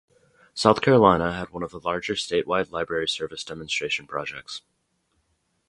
South Carolina had one of the larger statewide library service demonstration projects.